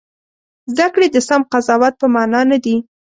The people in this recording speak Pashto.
زده کړې د سم قضاوت په مانا نه دي.